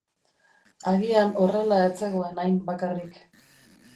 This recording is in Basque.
Agian horrela ez zegoen hain bakarrik.